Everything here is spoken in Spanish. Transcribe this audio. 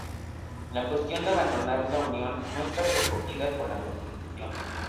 La cuestión de abandonar la Unión no está recogida por la Constitución.